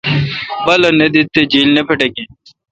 بالہ نہ دیت تےجیل نہ پھٹکیں